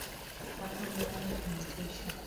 Hapo ndani kunatisha